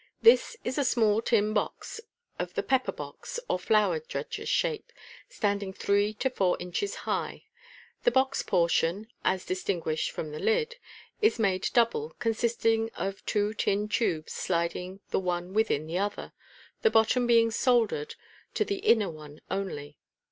— This is a small tin box, of the pepper box or flour dredger shape, standing three to four inches high. (See Fig. 84.) The box portion (as distin guished from the lid), is made double, consisting of two tin tubes sliding the one within the other, the bottom being soldered to the inner one only.